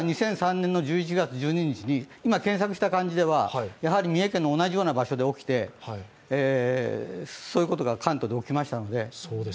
前回は２００３年１１月１２日、今、検索した感じでは三重県の同じような場所で起きて、そういうことが関東で起きましたので。